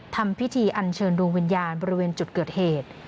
ทำพิธีอันเชิญดวงวิญญาณบริเวณจุดเกิดเหตุ